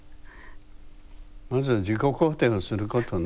まず自己肯定をすることね。